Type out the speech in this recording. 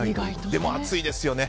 でも暑いですよね。